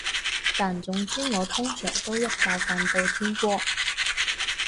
但總之我通常都一覺瞓到天光